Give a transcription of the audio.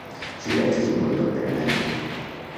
Subirats es un bon lloc per anar-hi